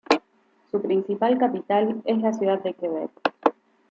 Su principal capital es la ciudad de Quebec.